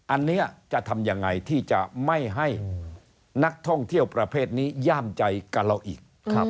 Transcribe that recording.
อันนี้จะทำยังไงที่จะไม่ให้นักท่องเที่ยวประเภทนี้ย่ามใจกับเราอีก